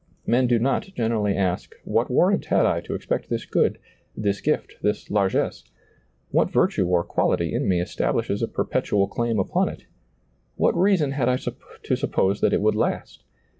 Men do not generally ask What war rant had I to expect this good, this gift, this largess? what virtue or quality in me estab lishes a perpetual claim upon it ? what reason had I to suppose that it would last?